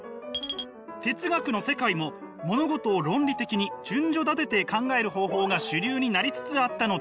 哲学の世界も物事を論理的に順序立てて考える方法が主流になりつつあったのです。